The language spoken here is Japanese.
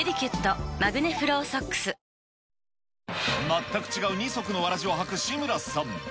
全く違う二足のわらじを履く志村さん。